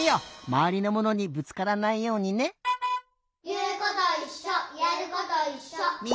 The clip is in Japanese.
まわりのものにぶつからないようにね！いうこといっしょ！